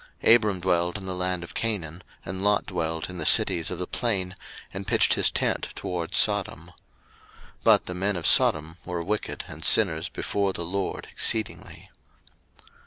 01:013:012 Abram dwelled in the land of Canaan, and Lot dwelled in the cities of the plain, and pitched his tent toward Sodom. 01:013:013 But the men of Sodom were wicked and sinners before the LORD exceedingly.